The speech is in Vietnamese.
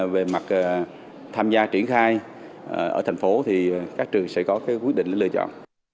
về mặt tham gia triển khai ở thành phố thì các trường sẽ có quyết định lựa chọn